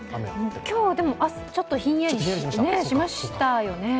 今日はちょっとひんやりしましたよね。